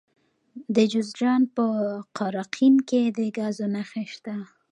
د جوزجان په قرقین کې د ګازو نښې شته.